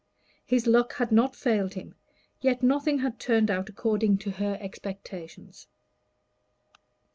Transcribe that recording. His luck had not failed him; yet nothing had turned out according to her expectations.